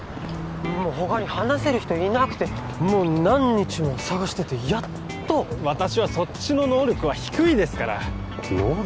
他に話せる人いなくてもう何日も探しててやっと私はそっちの能力は低いですから能力？